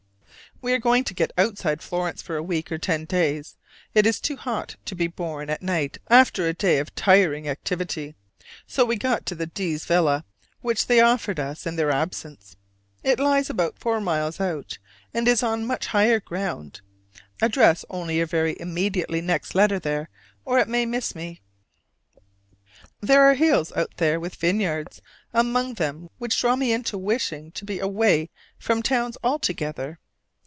We are going to get outside Florence for a week or ten days; it is too hot to be borne at night after a day of tiring activity. So we go to the D s' villa, which they offered us in their absence; it lies about four miles out, and is on much higher ground: address only your very immediately next letter there, or it may miss me. There are hills out there with vineyards among them which draw me into wishing to be away from towns altogether.